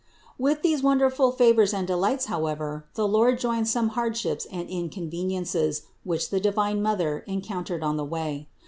458. With these wonderful favors and delights, how ever, the Liord joined some hardships and inconveniences, which the divine Mother encountered on the way.